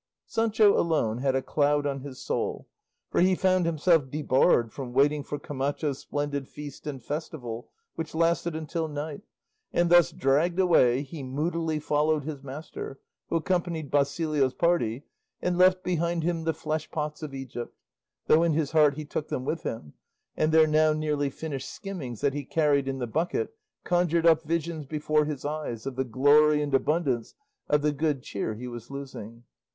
Sancho alone had a cloud on his soul, for he found himself debarred from waiting for Camacho's splendid feast and festival, which lasted until night; and thus dragged away, he moodily followed his master, who accompanied Basilio's party, and left behind him the flesh pots of Egypt; though in his heart he took them with him, and their now nearly finished skimmings that he carried in the bucket conjured up visions before his eyes of the glory and abundance of the good cheer he was losing.